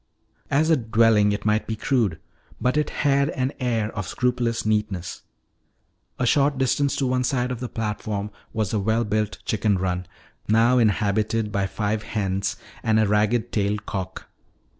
As a dwelling it might be crude, but it had an air of scrupulous neatness. A short distance to one side of the platform was a well built chicken run, now inhabited by five hens and a ragged tailed cock.